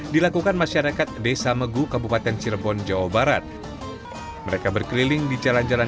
dilakukan masyarakat desa megu kabupaten cirebon jawa barat mereka berkeliling di jalan jalan